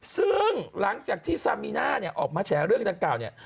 ซึ่งหลังจากที่ท่าซามีน่าออกมาแสงเรื่องดังที่นี้